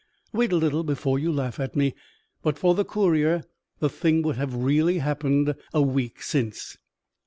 Wait a little before you laugh at me. But for the courier, the thing would have really happened a week since."